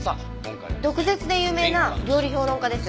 毒舌で有名な料理評論家です。